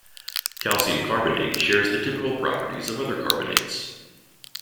Calcium carbonate shares the typical properties of other carbonates.